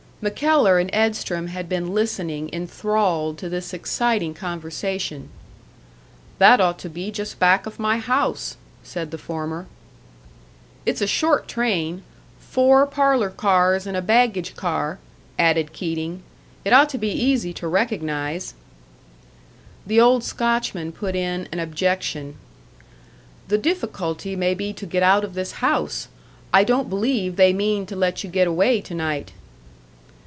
MacKellar and Edstrom had been listening enthralled to this exciting conversation. "That ought to be just back of my house," said the former. "It's a short train four parlour cars and a baggage car," added Keating. "It ought to be easy to recognise." The old Scotchman put in an objection. "The difficulty may be to get out of this house. I don't believe they mean to let you get away to night."